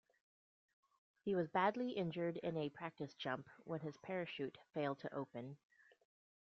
He was badly injured in a practice jump when his parachute failed to open.